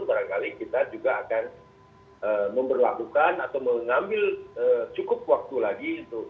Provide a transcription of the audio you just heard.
barangkali kita juga akan memperlakukan atau mengambil cukup waktu lagi